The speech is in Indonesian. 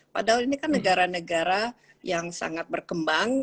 padahal ini kan negara negara yang sangat berkembang